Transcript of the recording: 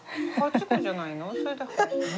８個じゃないの？